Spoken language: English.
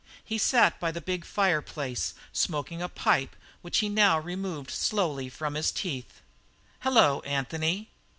He sat by the big fire place smoking a pipe which he now removed slowly from his teeth. "Hello, Anthony."